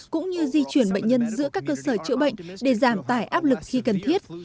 cũng như di chuyển bệnh nhân giữa các cơ sở chữa bệnh để giảm tải áp lực khi cần thiết